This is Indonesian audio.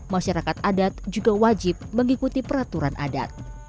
masyarakat adat juga wajib mengikuti peraturan adat